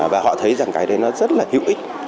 và họ thấy rằng cái đấy nó rất là hữu ích